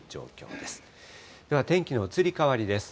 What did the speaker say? では天気の移り変わりです。